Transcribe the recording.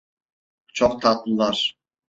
Çok tatlılar.